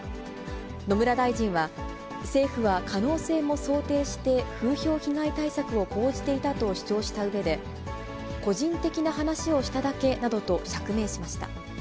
野村大臣は、政府は可能性も想定して、風評被害対策を講じていたと主張したうえで、個人的な話をしただけなどと釈明しました。